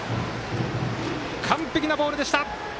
完璧なボールでした！